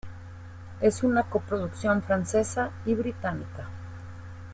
Es una coproducción francesa y británica.